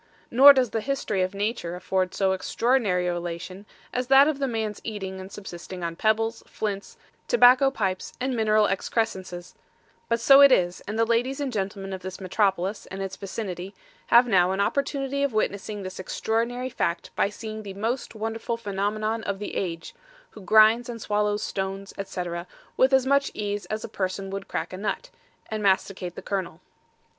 Nor does the History of Nature afford so extraordinary a relation as that of the man's eating and subsisting on pebbles, flints, tobacco pipes and mineral excrescences; but so it is and the Ladies and Gentlemen of this Metropolis and its vicinity have now an opportunity of witnessing this extraordinary Fact by seeing the Most Wonderful Phenomenon of the Age, who Grinds and Swallows stones, etc., with as much ease as a Person would crack a nut, and masticate the kernel.